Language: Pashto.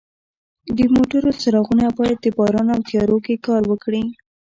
د موټرو څراغونه باید د باران او تیارو کې کار وکړي.